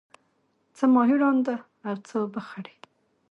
څه ماهی ړانده او څه اوبه خړی.